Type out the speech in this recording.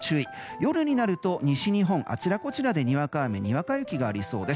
夜になると西日本のあちらこちらで、にわか雨にわか雪がありそうです。